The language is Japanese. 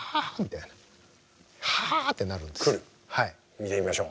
見てみましょう。